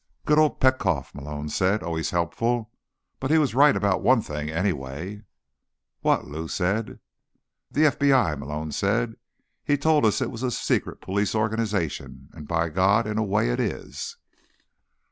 "Good old Petkoff," Malone said. "Always helpful. But he was right about one thing, anyway." "What?" Lou said. "The FBI," Malone said. "He told us it was a secret police organization. And, by God, in a way it is!"